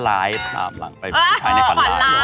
ร้ายหลังไปผู้ชายในฝันร้าย